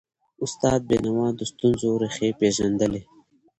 استاد بینوا د ستونزو ریښې پېژندلي.